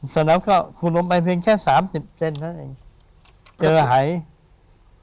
ตอนนั้นก็ขุดลงไปเพียงแค่๓๐เจนเมตรเอง